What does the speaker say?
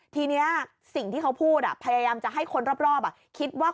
ทีนี้สิ่งที่เขาพูดพยายามจะให้คนรอบคิดว่า